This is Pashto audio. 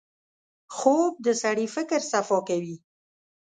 خوب د سړي فکر صفا کوي